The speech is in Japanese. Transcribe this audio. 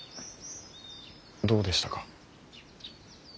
どうでしたか？